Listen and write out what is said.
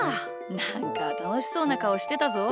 なんかたのしそうなかおしてたぞ。